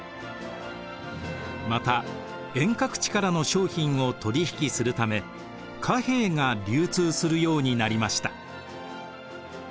また遠隔地からの商品を取り引きするため貨幣が流通するようになりました。